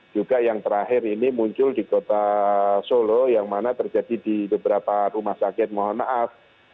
juga yang terakhir ini muncul di kota solo yang mana terjadi di beberapa rumah sakit mohon maaf